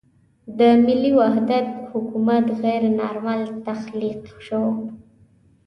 د ملي وحدت حکومت غیر نارمل تخلیق شو.